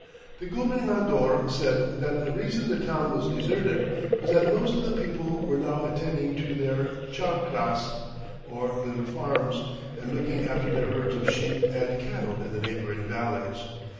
The gobernador said that the reason the town was deserted was that most of the people were now attending to their chacras, or little farms, and looking after their herds of sheep and cattle in the neighboring valleys.